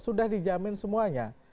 sudah dijamin semuanya